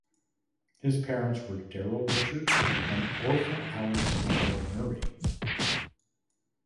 His parents were Darrell Richard and Orpha Alice Michael Murray.